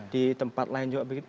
di tempat lain juga begitu